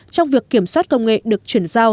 trong việc kiểm soát công nghệ được chuyển giao